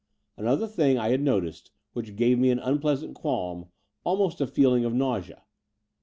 Another thing I had noticed which gave me an unpleasant qualm — almost a feeling of nausea.